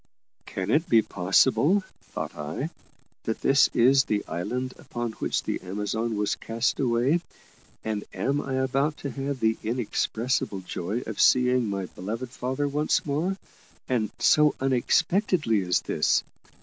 "Can it be possible," thought I, "that this is the island upon which the Amazon was cast away, and am I about to have the inexpressible joy of seeing my beloved father once more, and so unexpectedly as this?"